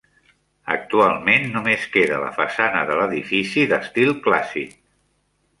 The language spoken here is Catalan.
Actualment només queda la façana de l'edifici d'estil clàssic.